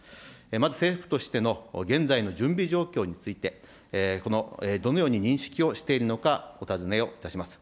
まず政府としての現在の準備状況について、どのように認識をしているのか、お尋ねをいたします。